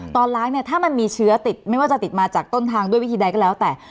ตอนล้างเนี่ยถ้ามันมีเชื้อติดไม่ว่าจะติดมาจากต้นทางด้วยวิธีใดก็แล้วแต่